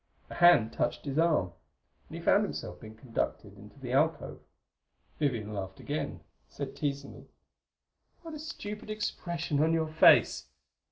A hand touched his arm, and he found himself being conducted into the alcove. Vivian laughed again; said, teasingly, "What a stupid expression on your face!"